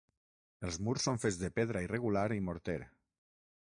Els murs són fets de pedra irregular i morter.